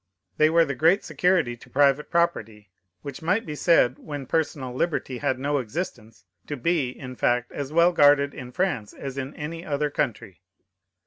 They were the great security to private property; which might be said (when personal liberty had no existence) to be, in fact, as well guarded in France as in any other country.